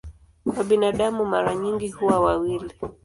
Kwa binadamu mara nyingi huwa wawili.